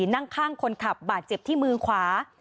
นั่งข้างคนขับบาดเจ็บที่มือขวา